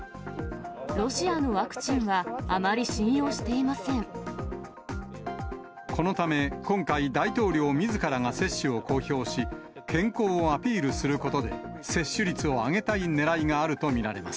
ロシアのワクチンはあまり信このため今回、大統領みずからが接種を公表し、健康をアピールすることで、接種率を上げたいねらいがあると見られます。